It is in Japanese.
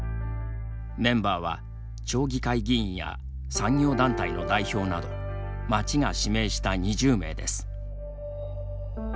メンバーは、町議会議員や産業団体の代表など町が指名した２０名です。